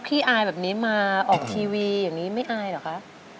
อายแบบนี้มาออกทีวีอย่างนี้ไม่อายเหรอคะ